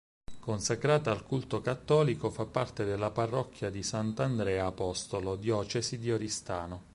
Consacrata al culto cattolico fa parte della parrocchia di Sant'Andrea Apostolo, diocesi di Oristano.